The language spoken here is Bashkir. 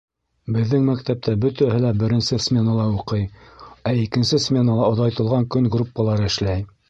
Беҙҙең мәктәптә бөтәһе лә беренсе сменала уҡый, ә икенсе сменала оҙайтылған көн группалары эшләй.